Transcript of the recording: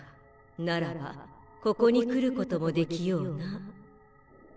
ならばここに来ることもできような。